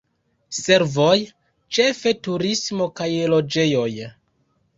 Servoj, ĉefe turismo, kaj loĝejoj.